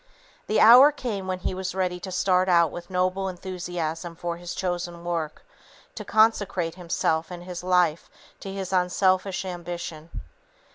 The hour came when he was ready to start out with noble enthusiasm for his chosen work, to consecrate himself and his life to his unselfish ambition.